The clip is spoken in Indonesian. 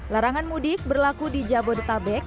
larangan mudik berlaku di jabodetabek